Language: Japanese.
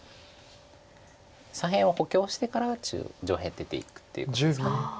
左辺を補強してから上辺出ていくっていうことですか。